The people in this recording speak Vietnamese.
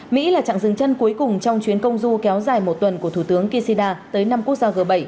mỹ là chặng dừng chân cuối cùng trong chuyến công du kéo dài một tuần của thủ tướng kishida tới năm quốc gia g bảy